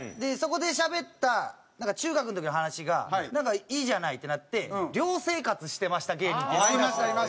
そこでしゃべった中学の時の話がなんかいいじゃないってなって寮生活してました芸人って。